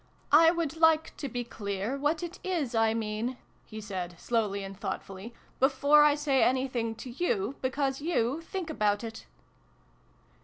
" I would like to be clear what it is I mean," he said, slowly and thoughtfully, " before I say anything \& you because you think about it."